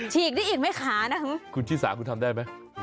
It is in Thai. ฉีกได้อีกไม่ขานะคะคุณชิสาคุณทำได้ไหม